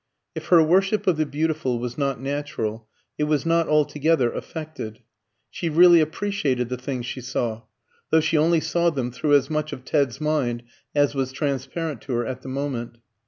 If her worship of the beautiful was not natural, it was not altogether affected. She really appreciated the things she saw, though she only saw them through as much of Ted's mind as was transparent to her at the moment.